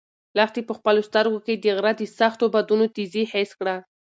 لښتې په خپلو سترګو کې د غره د سختو بادونو تېزي حس کړه.